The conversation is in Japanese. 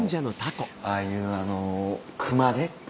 ああいうあの熊手。